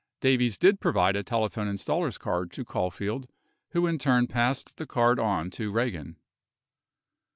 Davies did provide a telephone installer's card to Caulfield, who in turn passed the card on to Eagan.